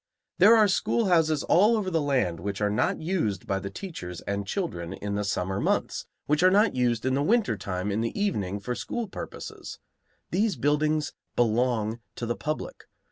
There are schoolhouses all over the land which are not used by the teachers and children in the summer months, which are not used in the winter time in the evening for school purposes. These buildings belong to the public.